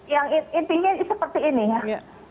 yang intinya seperti ini ya